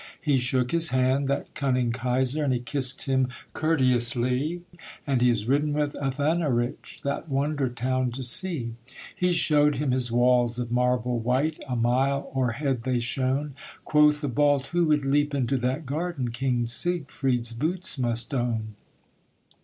He shook his hand, that cunning Kaiser, And he kissed him courteouslie, And he has ridden with Athanarich That wonder town to see. He showed him his walls of marble white A mile o'erhead they shone; Quoth the Balt, 'Who would leap into that garden, King Siegfried's boots must own.'